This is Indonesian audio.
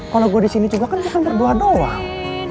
kalau gue disini juga kan bukan berdua doang